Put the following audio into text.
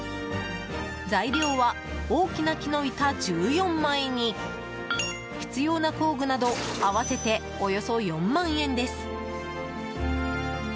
材料は大きな木の板１４枚に必要な工具など合わせておよそ４万円です。